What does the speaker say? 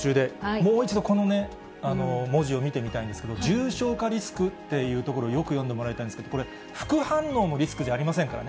もう一度このね、文字を見てみたいんですけど、重症化リスクっていうところ、よく読んでもらいたいんですけれども、これ、副反応のリスクじゃありませんからね。